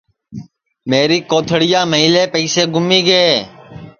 میری کوتھݪِیاملے پیئیسے گُمی گے